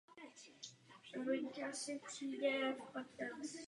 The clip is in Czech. Opouští oblast Slavkovského lesa a vtéká do Chebské pánve.